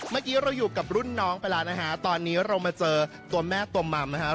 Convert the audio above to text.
เมื่อกี้อยู่กับรุ่นน้องเข้ามาเจอตัวแม่ตัวมัมนะฮะ